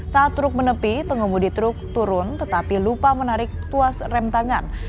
saat truk menepi pengemudi truk turun tetapi lupa menarik tuas rem tangan